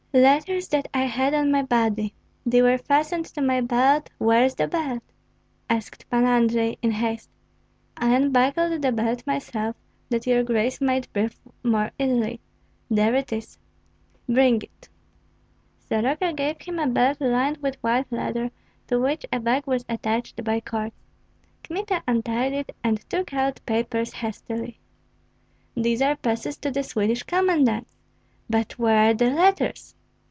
"Letters that I had on my body. They were fastened to my belt; where is the belt?" asked Pan Andrei, in haste. "I unbuckled the belt myself, that your grace might breathe more easily; there it is." "Bring it." Soroka gave him a belt lined with white leather, to which a bag was attached by cords. Kmita untied it and took out papers hastily. "These are passes to the Swedish commandants; but where are the letters?"